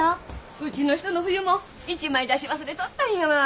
うちの人の冬もん１枚出し忘れとったんやわあ。